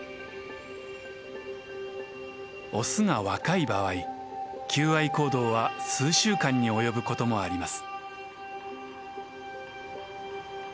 オスが若い場合求愛行動は数週間に及ぶこともあります。